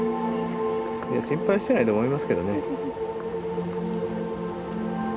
心配してないと思いますけどね。